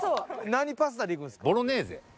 何パスタでいくんですか？